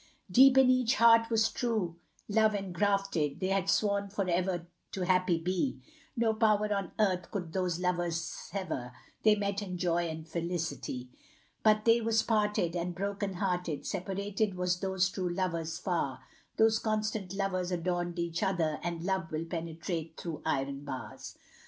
Deep in each heart was true love engrafted, They had sworn for ever to happy be, No power on earth could those lovers sever, They met in joy and felicity; But they was parted, and broken hearted, Separated was those true lovers far, Those constant lovers adorned each other, And love will penetrate through iron bars.